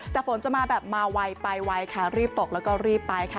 แต่ฝนจะมาแบบมาไวไปไวค่ะรีบตกแล้วก็รีบไปค่ะ